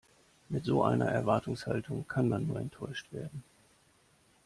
Mit so einer Erwartungshaltung kann man nur enttäuscht werden.